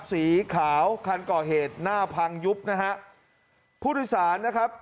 สีขาวคันก่อเหตุหน้าพังยุบนะฮะผู้โดยสารนะครับ